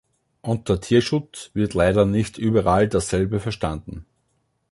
Unter Tierschutz wird leider nicht überall dasselbe verstanden.